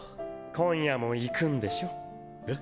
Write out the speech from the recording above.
今夜も行くんでしょ？え？